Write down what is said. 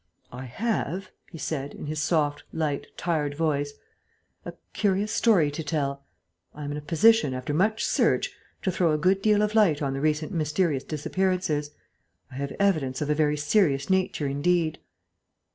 "I have," he began, in his soft, light, tired voice, "a curious story to tell. I am in a position, after much search, to throw a good deal of light on the recent mysterious disappearances. I have evidence of a very serious nature indeed...."